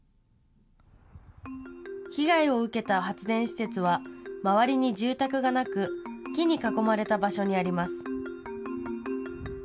被害を受けた発電施設は周りに住宅がなく木に囲まれた場所にあります。